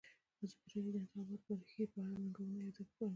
ازادي راډیو د د انتخاباتو بهیر په اړه د ننګونو یادونه کړې.